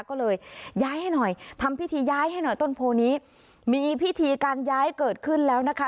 ก็เลยย้ายให้หน่อยทำพิธีย้ายให้หน่อยต้นโพนี้มีพิธีการย้ายเกิดขึ้นแล้วนะคะ